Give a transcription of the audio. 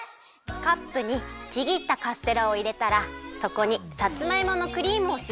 カップにちぎったカステラをいれたらそこにさつまいものクリームをしぼります。